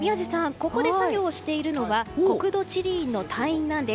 ここで作業をしてるのは国土地理院の隊員なんです。